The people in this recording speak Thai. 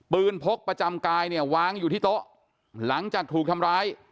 พกประจำกายเนี่ยวางอยู่ที่โต๊ะหลังจากถูกทำร้าย